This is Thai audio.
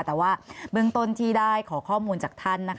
แต่ว่าเบื้องต้นที่ได้ขอข้อมูลจากท่าน